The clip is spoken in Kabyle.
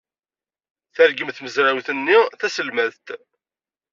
Tergem tmezrawt-nni taselmadt.